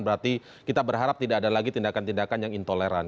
berarti kita berharap tidak ada lagi tindakan tindakan yang intoleran